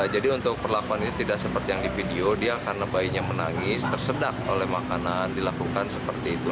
jadi untuk perlakuan ini tidak seperti yang di video dia karena bayinya menangis tersedak oleh makanan dilakukan seperti itu